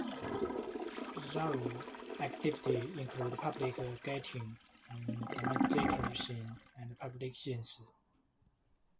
Zaum activities included public gatherings, demonstrations, and publications.